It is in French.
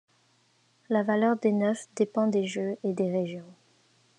La valeur des neuf dépend des jeux et des régions.